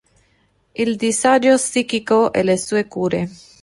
Il disagio psichico e le sue cure".